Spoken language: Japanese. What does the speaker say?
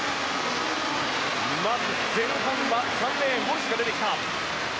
まず、前半は３レーンウォルシュが出てきた。